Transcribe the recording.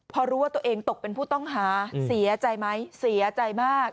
พอรู้ว่าตัวเองตกเป็นผู้ต้องหาเสียใจไหมเสียใจมาก